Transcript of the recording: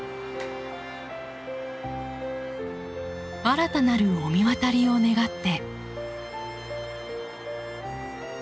新たなる御神渡りを願って。